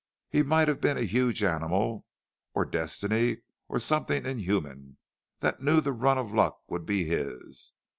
He might have been a huge animal, or destiny, or something inhuman that knew the run of luck would be his.